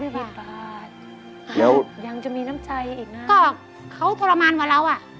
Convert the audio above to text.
เขาทรมานกว่าเราแล้วเราไม่มีรถขับเราไม่ทรมานเหรอ